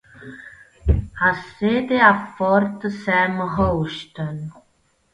Ha sede a Fort Sam Houston.